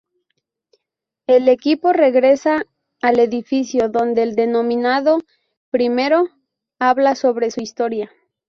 El equipo regresa al edificio, donde el denominado "Primero" habla sobre su historia.